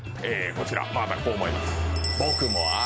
こちらまあたんこう思います